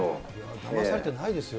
だまされてないですよ。